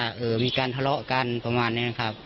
มีการทะเลาะกันประมาณนี้ครับ